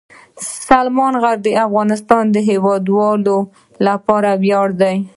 سلیمان غر د افغانستان د هیوادوالو لپاره ویاړ دی.